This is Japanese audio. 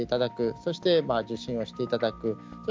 そして受診していただく。